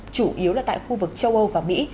chủ yếu là tại khu vực châu âu và mỹ